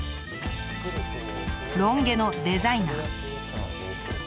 ロン毛のデザイナー。